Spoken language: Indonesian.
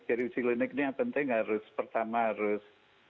jadi uji klinik ini yang penting harus pertama harus